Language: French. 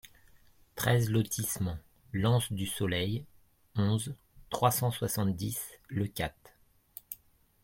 treize lotissement L'Anse du Soleil, onze, trois cent soixante-dix, Leucate